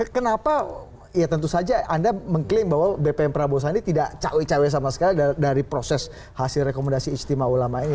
kenapa ya tentu saja anda mengklaim bahwa bpm prabowo sandi tidak cawe cawe sama sekali dari proses hasil rekomendasi istimewa ulama ini